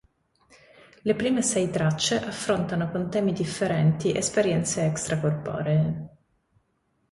Le prime sei tracce affrontano come temi differenti esperienze extra-corporee.